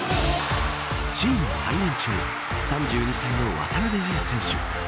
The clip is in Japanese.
チーム最年長３２歳の渡邊彩選手。